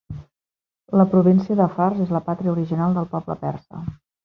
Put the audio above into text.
La província de Fars és la pàtria original del poble persa.